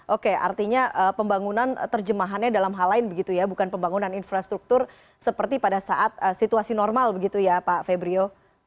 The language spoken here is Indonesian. oke artinya pembangunan terjemahannya dalam hal lain begitu ya bukan pembangunan infrastruktur seperti pada saat situasi normal begitu ya pak febrio